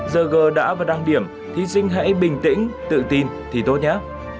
giờ gờ đã và đăng điểm thí sinh hãy bình tĩnh tự tin thì tốt nhé